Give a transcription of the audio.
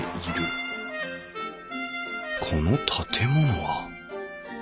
この建物は？